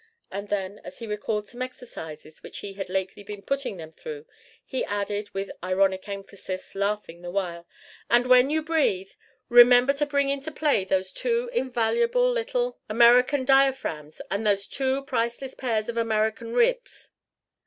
and then as he recalled some exercises which he had lately been putting them through, he added with ironic emphasis, laughing the while: "And when you breathe, remember to bring into play those two invaluable little American diaphragms and those two priceless pairs of American ribs!"